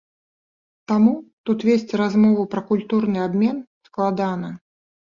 Таму тут весці размову пра культурны абмен складана.